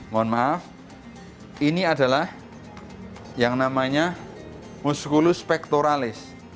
mohon maaf ini adalah yang namanya muskulus spektoralis